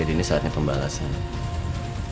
jadi ini saatnya pembalasnya